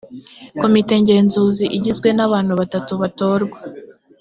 komite ngenzuzi igizwe n’abantu batatu batorwa